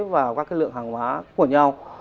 và các cái lượng hàng hóa của nhau